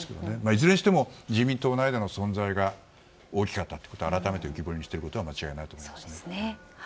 いずれにしても自民党内での存在が大きかったということを改めて浮き彫りにしたのは間違いないと思いますね。